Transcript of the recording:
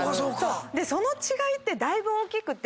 その違いってだいぶ大きくて。